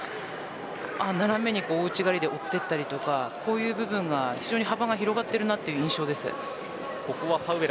斜めに大内刈でもっていったりという部分が非常に幅が広がっている印象です。